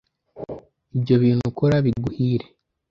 ibyo bintu ukora biguhire